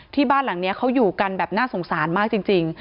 บ้านหลังนี้เขาอยู่กันแบบน่าสงสารมากจริง